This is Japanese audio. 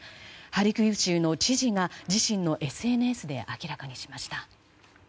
ハルキウ州の知事が自身のＳＮＳで明らかにしました。